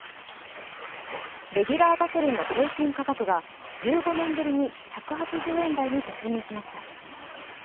レギュラーガソリンの平均価格が１５年ぶりに１８０円台に突入しました